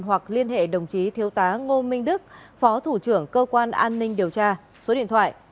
hoặc liên hệ đồng chí thiếu tá ngô minh đức phó thủ trưởng cơ quan an ninh điều tra số điện thoại chín trăm bảy mươi bảy tám trăm sáu mươi tám bảy mươi